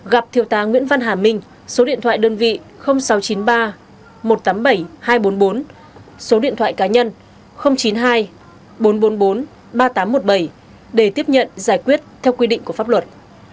gặp thiêu tá nguyễn văn hà minh số điện thoại đơn vị sáu trăm chín mươi ba một trăm tám mươi bảy hai trăm bốn mươi bốn số điện thoại cá nhân chín mươi hai bốn trăm bốn mươi bốn ba nghìn tám trăm một mươi bảy để tiếp nhận giải quyết theo quy định của pháp luật